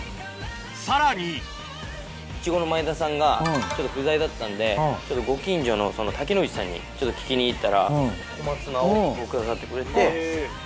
さらにイチゴの前田さんがちょっと不在だったんでご近所の竹ノ内さんに聞きに行ったら小松菜を下さってくれて。